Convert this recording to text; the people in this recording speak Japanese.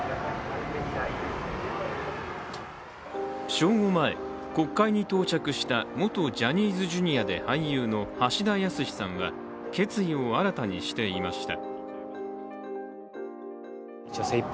正午前、国会に到着した元ジャニーズＪｒ．で俳優の橋田康さんは、決意を新たにしていました。